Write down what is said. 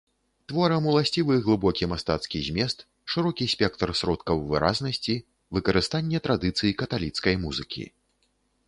Творам уласцівы глыбокі мастацкі змест, шырокі спектр сродкаў выразнасці, выкарыстанне традыцый каталіцкай музыкі.